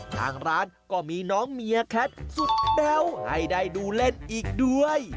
ทางร้านก็มีน้องเมียแคทสุดแต้วให้ได้ดูเล่นอีกด้วย